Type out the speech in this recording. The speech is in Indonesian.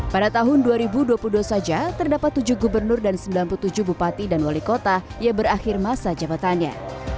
pada tahun dua ribu dua puluh dua saja terdapat tujuh gubernur dan sembilan puluh tujuh bupati dan wali kota yang berakhir masa jabatannya